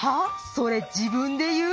それ自分で言う？